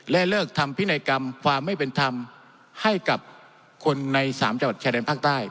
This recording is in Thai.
และเลิกทำพินัยกรรมความไม่เป็นธรรมให้กับคนในสามจังหวัดชายแดนภาคใต้